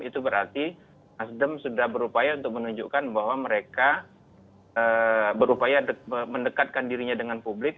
itu berarti nasdem sudah berupaya untuk menunjukkan bahwa mereka berupaya mendekatkan dirinya dengan publik